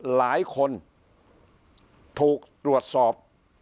หลายคนถูกตรวจสอบ